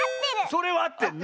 それはあってるのね。